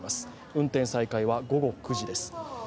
運転再開は午後９時です。